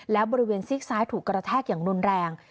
แล้วบริเวณซีกซ้ายถูกกระแทกอย่างรุนแรง